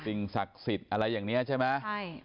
สิ่งศักดิ์สิทธิ์อะไรอย่างนี้ใช่ไหมใช่